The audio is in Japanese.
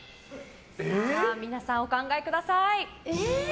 皆さんお考えください。